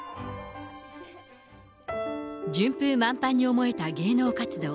順風満帆に思えた芸能活動。